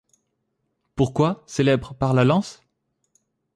Pourquoi célèbre par la lance ?